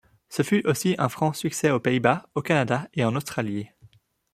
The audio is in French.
Ce fut aussi un franc succès aux Pays-Bas, au Canada et en Australie.